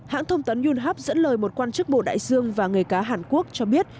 hãng thông tấn yunhap dẫn lời một quan chức bộ đại dương và người cá hàn quốc cho biết